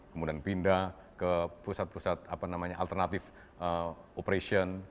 kemudian pindah ke pusat pusat alternatif operation